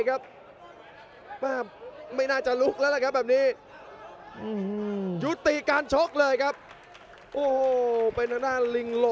โอ้โหโอ้โห